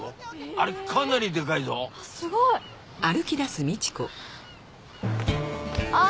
あれかなりでかいぞ。へすごい！あっ。